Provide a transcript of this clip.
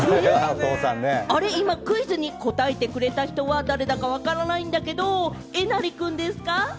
今クイズに答えてくれた人は誰だかわからないんだけれども、えなり君ですか？